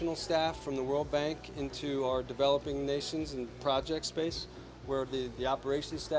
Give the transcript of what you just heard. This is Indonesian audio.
bisa melakukan penggabungan pembelajaran